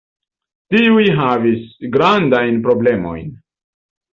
Tiuj havis grandajn problemojn.